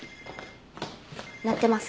鳴ってます。